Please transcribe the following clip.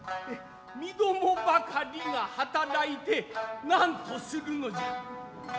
身共ばかりが働いて何とするのじゃ。